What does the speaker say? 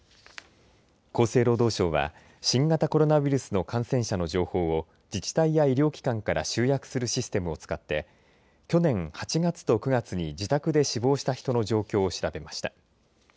厚生労働省は新型コロナウイルスの感染者の情報を自治体や医療機関から集約するシステムを使って去年８月と９月に自宅で死亡した人の状況を調べました。